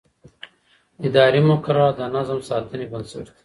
اداري مقررات د نظم ساتنې بنسټ دي.